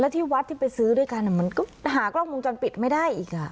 ที่วัดที่ไปซื้อด้วยกันมันก็หากล้องวงจรปิดไม่ได้อีก